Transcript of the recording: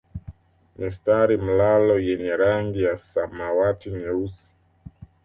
Mistari mlalo yenye rangi ya samawati nyeusi